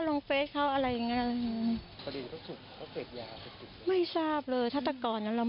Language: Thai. หรือเขาก็ไม่เคยนะปริกษาปัญหา